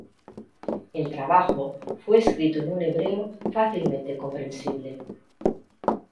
El trabajo fue escrito en un hebreo fácilmente comprensible.